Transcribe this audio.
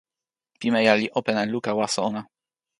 pimeja li open e luka waso ona.